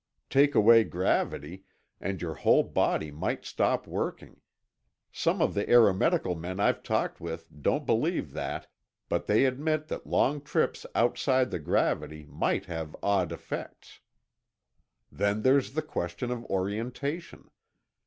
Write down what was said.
Take away gravity, and your whole body might stop working. Some of the Aero Medical men I've talked with don't believe that, but they admit that long trips outside of gravity might have odd effects. "Then there's the question of orientation.